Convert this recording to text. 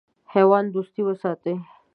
حیوان دوست وساتئ.